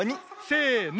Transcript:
せの。